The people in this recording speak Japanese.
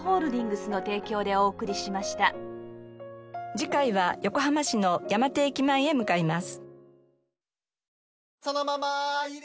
次回は横浜市の山手駅前へ向かいます。